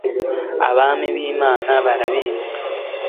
abami bi mana barabizi